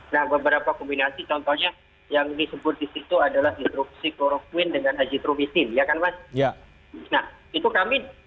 nah beberapa kombinasi contohnya yang disebut di situ adalah hidroksikloroquine dengan azitromisin ya kan mas